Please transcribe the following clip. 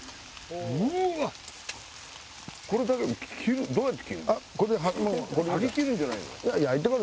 これだけどどうやって切るの？